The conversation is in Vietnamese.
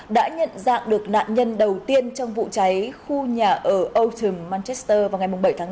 đã nhận dạng được nạn nhân đầu tiên trong vụ cháy khu nhà ở otion malchester vào ngày bảy tháng năm